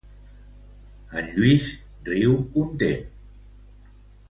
El Lluís riu, content.